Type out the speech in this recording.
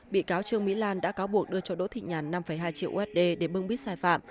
bị cáo trương mỹ lan đã cáo buộc đưa cho đỗ thị nhàn năm hai triệu usd để bưng bít sai phạm